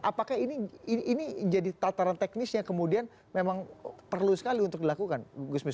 apakah ini jadi tataran teknis yang kemudian memang perlu sekali untuk dilakukan gusmis